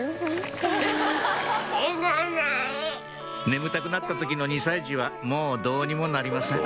眠たくなった時の２歳児はもうどうにもなりません